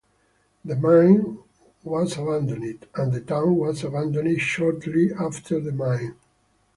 The mine was abandoned, and the town was abandoned shortly after the mine.